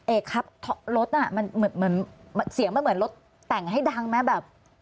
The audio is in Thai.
เอกครับรถน่ะมันเหมือนเสียงมันเหมือนรถแต่งให้ดังไหมแบบ